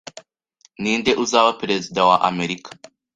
Ninde uzaba perezida wa Amerika